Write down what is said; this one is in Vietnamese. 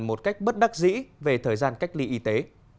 một cách bất đắc dĩ về thời gian cách ly y tế